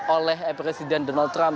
oleh presiden donald trump